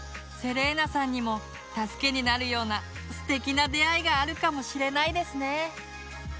セレーナさんにも助けになるようなすてきな出会いがあるかもしれないですね。